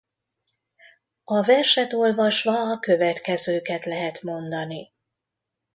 A verset olvasva a következőket lehet mondani.